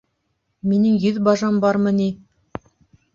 Минең йөҙ бажам бармы ни?